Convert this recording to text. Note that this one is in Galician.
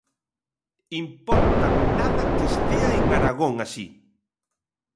¡Impórtame nada que estea en Aragón así!